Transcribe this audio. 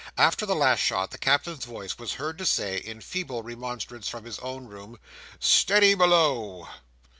After the last shot, the Captain's voice was heard to say, in feeble remonstrance from his own room, "Steady below!"